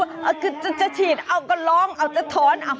คือจะฉีดเอาก็ร้องเอาจะถอนเอา